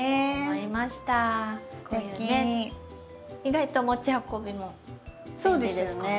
意外と持ち運びも便利ですからね。